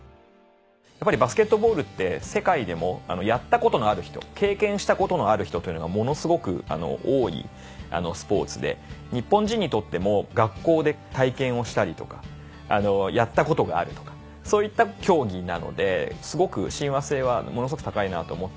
やっぱりバスケットボールって世界でもやったことのある人経験したことのある人というのがものすごく多いスポーツで日本人にとっても学校で体験をしたりとかやったことがあるとかそういった競技なので親和性はものすごく高いなと思っていて。